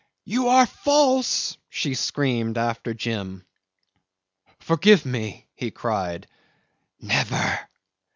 "You are false!" she screamed out after Jim. "Forgive me," he cried. "Never!